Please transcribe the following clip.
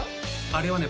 あれはね